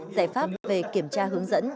giải pháp về kiểm tra hướng dẫn